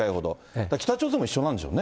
だから北朝鮮も一緒なんでしょうね。